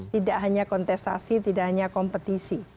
tidak hanya kontestasi tidak hanya kompetisi